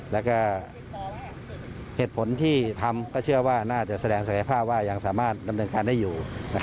แล้วก็เหตุผลที่ทำก็เชื่อว่าน่าจะแสดงศักยภาพว่ายังสามารถดำเนินการได้อยู่